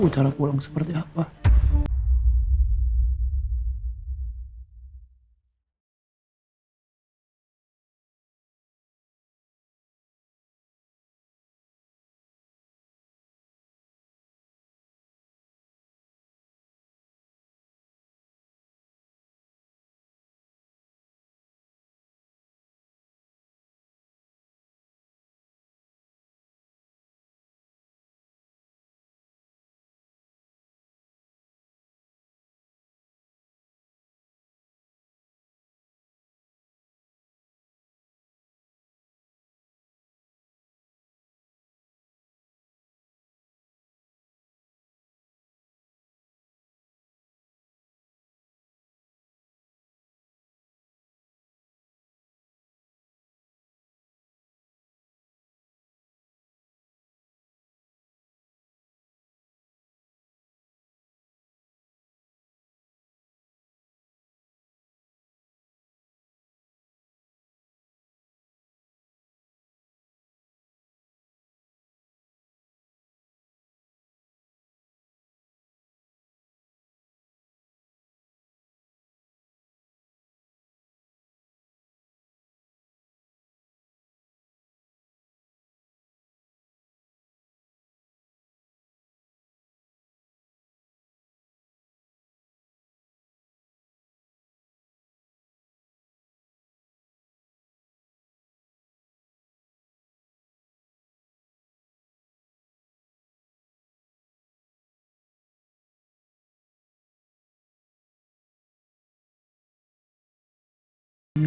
jadi seperti aprove